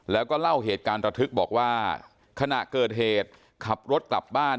แล้วก็เล่าเหตุการณ์ระทึกบอกว่าขณะเกิดเหตุขับรถกลับบ้าน